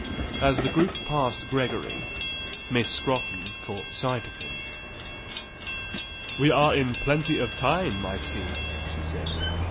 As the group passed Gregory, Miss Scrotton caught sight of him. "We are in plenty of time, I see," she said.